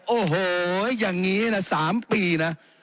โอ้โหยังงี้น่ะ๓ปีน่ะ